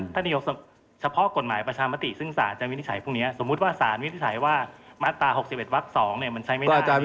นายกเฉพาะกฎหมายประชามติซึ่งสารจะวินิจฉัยพรุ่งนี้สมมุติว่าสารวินิจฉัยว่ามาตรา๖๑วัก๒มันใช้ไม่ได้จริง